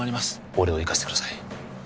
俺を行かせてください